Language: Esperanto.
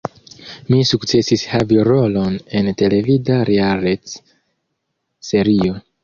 Mi sukcesis havi rolon en televida realec-serio.